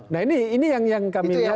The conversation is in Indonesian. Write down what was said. nah ini yang kami lihat